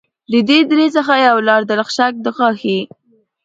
د دې درې څخه یوه لاره دلخشک دغاښي